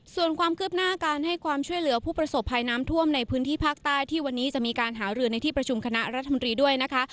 ส่วนความคืบหน้าการให้ความช่วยเหลือผู้ประสบภัยน้ำท่วมในพื้นที่ภาคใต้ที่วันนี้จะมีการหารือในที่ประชุมคณะรัฐมนตรีด้วยนะคะ